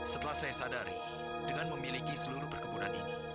setelah saya sadari dengan memiliki seluruh perkebunan ini